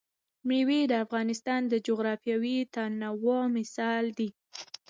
مېوې د افغانستان د جغرافیوي تنوع مثال دی.